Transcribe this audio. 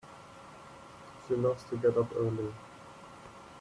She loves to get up early.